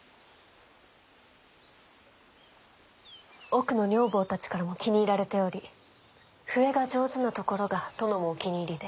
奥の女房たちからも気に入られており笛が上手なところが殿もお気に入りで。